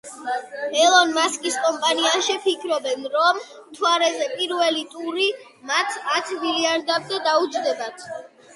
ელონ მასკის კომპანიაში ფიქრობენ, რომ მთვარეზე პირველი ტური მათ ათ მილიარდამდე დაუჯდებათ.